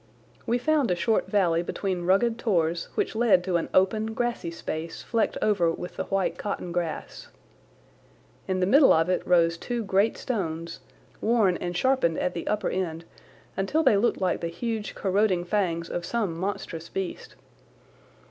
We found a short valley between rugged tors which led to an open, grassy space flecked over with the white cotton grass. In the middle of it rose two great stones, worn and sharpened at the upper end until they looked like the huge corroding fangs of some monstrous beast.